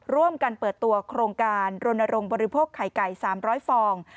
ร่วมกันเปิดตัวโครงการรณรงคบริโภคไข่ไก่๓๐๐ฟอง